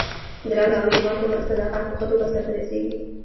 د رنګ او رېګمال په مرسته دا کار په ښه توګه سرته رسیږي.